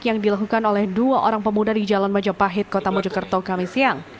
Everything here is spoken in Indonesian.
yang dilakukan oleh dua orang pemuda di jalan majapahit kota mojokerto kami siang